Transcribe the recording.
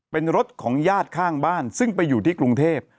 เป็นรถของญาติข้างบ้านซึ่งไปอยู่ที่กรุงเทพ